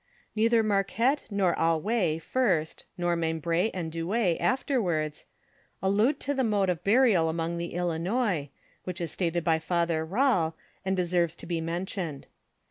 f Neither Marquette nor Allouez first, nor Membr6 and Douay, afterward, allude to the mode of burial among the IHinois, which is stated by F. Rale, and deserves to be mentioned.